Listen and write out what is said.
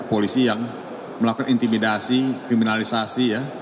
polisi yang melakukan intimidasi kriminalisasi ya